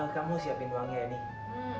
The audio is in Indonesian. kamu siapin uangnya ya